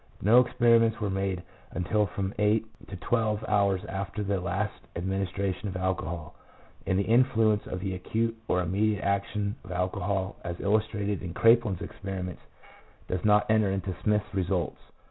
No experiments were made until from eight to twelve hours after the last administration of alcohol, and the influence of the acute or immediate action of alcohol as illustrated in Kraepelin's experiments does not enter into Smith's results.